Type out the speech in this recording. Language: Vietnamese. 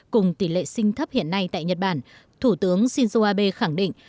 cùng tỷ lệ sinh thấp hiện nay tại nhật bản thủ tướng shinzo abe khẳng định